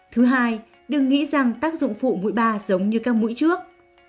thứ hai đừng nghĩ rằng tác dụng phụ mũi ba giống như các mũi trước